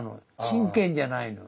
真剣じゃないの。